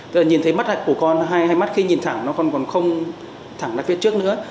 tức là nhìn thấy mắt của con hay mắt khi nhìn thẳng nó còn không thẳng ra phía trước nữa